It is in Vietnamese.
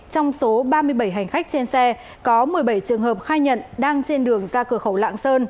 trong số ba mươi bảy hành khách trên xe có một mươi bảy trường hợp khai nhận đang trên đường ra cửa khẩu lạng sơn